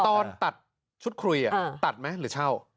ตอนตัดชุดคุยตัดไหมหรือเช่า